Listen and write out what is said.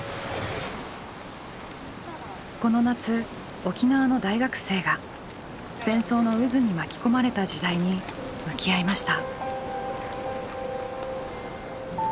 この夏沖縄の大学生が戦争の渦に巻き込まれた時代に向き合いました。